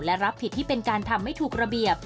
และรับผิดที่เป็นการทำไม่ถูกระเบียบ